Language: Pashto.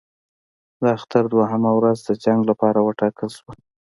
د اختر دوهمه ورځ د جنګ لپاره وټاکل شوه.